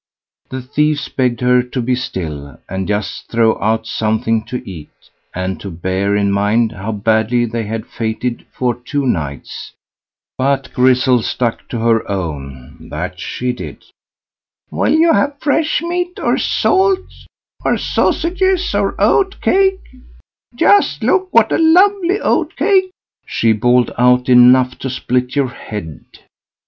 The thieves begged her to be still, and just throw out something to eat, and to bear in mind how badly they had fated for two nights. But Grizzel stuck to her own, that she did. "Will you have fresh meat, or salt, or sausages, or oat cake? Just look, what a lovely oat cake", she bawled out enough to split your head.